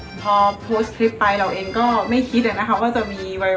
พอโพสต์คลิปไปเราเองก็ไม่คิดว่าจะมีวัย